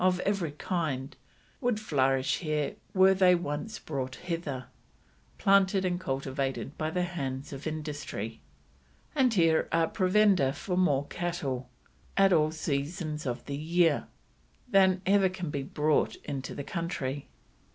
of every kind would flourish here were they once brought hither, planted and cultivated by the hands of Industry; and here are provender for more cattle, at all seasons of the year, than ever can be brought into the country."